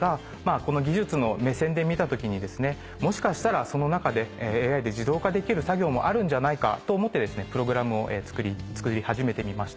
この技術の目線で見た時にもしかしたらその中でＡＩで自動化できる作業もあるんじゃないかと思ってプログラムを作り始めてみました。